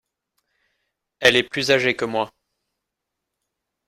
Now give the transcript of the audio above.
Elle est plus âgée que moi.